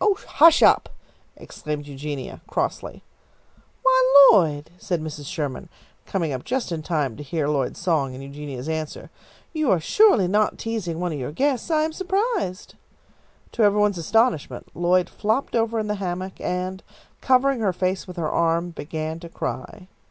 "Oh, hush up!" exclaimed Eugenia, crossly. "Why, Lloyd," said Mrs. Sherman, coming up just then in time to hear Lloyd's song and Eugenia's answer, "you are surely not teasing one of your guests! I am surprised!" To every one's astonishment, Lloyd flopped over in the hammock, and, covering her face with her arm, began to cry.